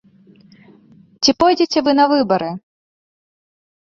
Ці пойдзеце вы на выбары?